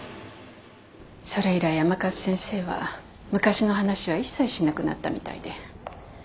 それ以来甘春先生は昔の話は一切しなくなったみたいで。